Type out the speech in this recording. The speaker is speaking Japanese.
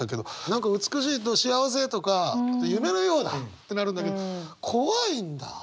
何か美しいと幸せとか夢のようだってなるんだけど怖いんだ。